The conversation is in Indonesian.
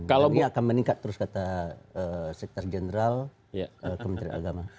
jadi akan meningkat terus kata sekretaris jenderal ke menteri agama